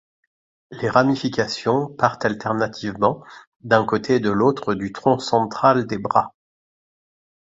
Les ramifications partent alternativement d'un côté et de l'autre du tronc central des bras.